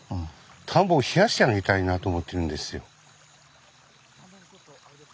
田んぼを冷やしてあげたいなと思ってるんですよ。